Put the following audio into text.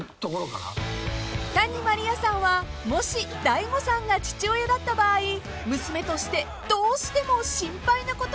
［谷まりあさんはもし大悟さんが父親だった場合娘としてどうしても心配なことがあるそうで］